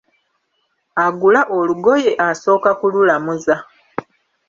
Agula olugoye asooka kululamuza.